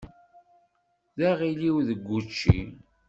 D aɣiliw deg učči.